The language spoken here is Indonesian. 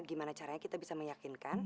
gimana caranya kita bisa meyakinkan